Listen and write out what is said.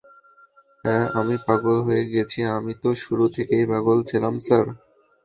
হ্যাঁ, আমি পাগল হয়ে গেছি আমি তো শুরু থেকেই পাগল ছিলাম স্যার।